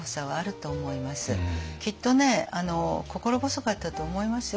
きっとね心細かったと思いますよ